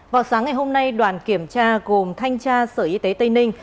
vào sáng ngày hôm nay đoàn kiểm tra gồm thanh tra sở y tế tây ninh